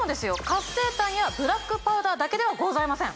活性炭やブラックパウダーだけではございません